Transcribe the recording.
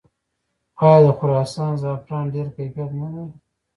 آیا د خراسان زعفران ډیر کیفیت نلري؟